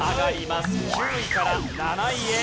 ９位から７位へ。